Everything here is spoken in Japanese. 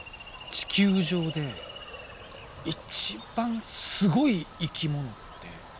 地球上で一番すごい生き物って何だと思う？